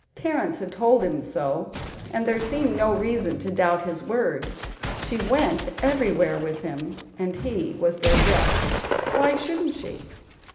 Terrence had told him so, and there seemed no reason to doubt his word. She went everywhere with him, and he was their guest; why shouldn't she?